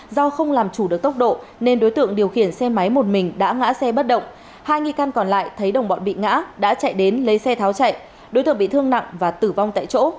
do không làm chủ được tốc độ nên đối tượng điều khiển xe máy một mình đã ngã xe bất động hai nghi can còn lại thấy đồng bọn bị ngã đã chạy đến lấy xe tháo chạy đối tượng bị thương nặng và tử vong tại chỗ